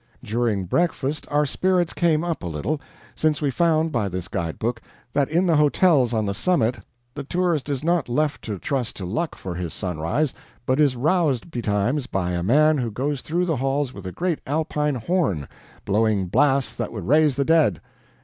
During breakfast our spirits came up a little, since we found by this guide book that in the hotels on the summit the tourist is not left to trust to luck for his sunrise, but is roused betimes by a man who goes through the halls with a great Alpine horn, blowing blasts that would raise the dead.